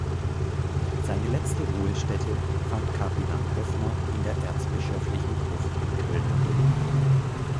Seine letzte Ruhestätte fand Kardinal Höffner in der erzbischöflichen Gruft im Kölner Dom.